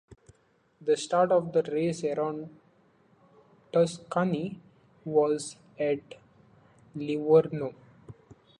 The start of the race around Tuscany was at Livorno.